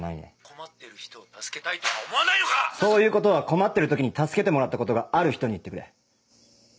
困ってる人を助けたいとは思わないのか⁉そういうことは困ってる時に助けてもらったことがある人に言ってくれ。